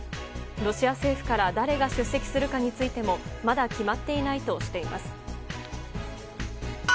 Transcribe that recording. ロシア政府から誰が出席するかについてもまだ決まっていないとしています。